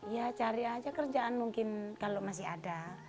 ya cari aja kerjaan mungkin kalau masih ada